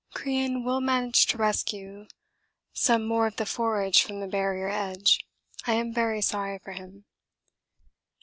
Crean will manage to rescue some more of the forage from the Barrier edge I am very sorry for him.